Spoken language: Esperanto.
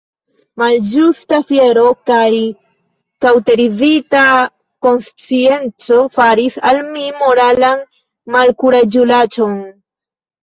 Malĝusta fiero kaj kaŭterizita konscienco faris el mi moralan malkuraĝulaĉon.